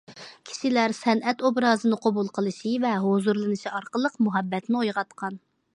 كىشىلەر سەنئەت ئوبرازىنى قوبۇل قىلىشى ۋە ھۇزۇرلىنىشى ئارقىلىق مۇھەببەتنى ئويغاتقان.